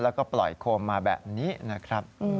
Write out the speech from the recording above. แล้วก็ปล่อยโคมมาแบบนี้นะครับ